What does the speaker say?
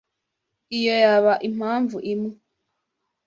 Iyo yaba impamvu imwe.